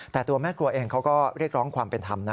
แต่ตัวแม่ครัวเองเขาก็เรียกร้องความเป็นธรรมนะ